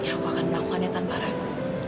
aku akan melakukannya tanpa ragu